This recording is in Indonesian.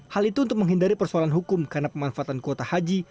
hal itu untuk menghindari persoalan hukum karena pemanfaatan kuota haji